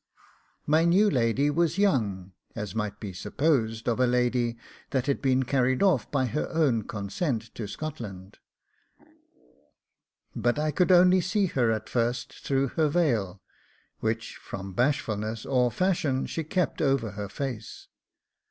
My new lady was young, as might be supposed of a lady that had been carried off by her own consent to Scotland; but I could only see her at first through her veil, which, from bashfulness or fashion, she kept over her face.